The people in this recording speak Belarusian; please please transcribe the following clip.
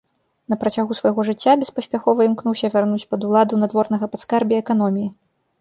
На працягу свайго жыцця беспаспяхова імкнуўся вярнуць пад уладу надворнага падскарбія эканоміі.